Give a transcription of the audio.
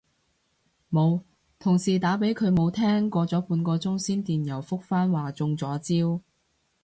冇，同事打畀佢冇聽，過咗半個鐘先電郵覆返話中咗招